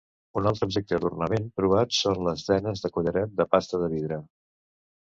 Un altre objecte d'ornament trobat són les denes de collaret de pasta de vidre.